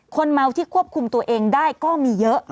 คนเมาที่ควบคุมตัวเองได้ก็มีเยอะ